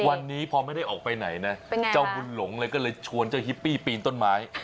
วันนี้พอไม่ได้ออกไปไหนนะเจ้าบุญหลงเลยก็เลยชวนเจ้าฮิปปี้ปีนต้นไม้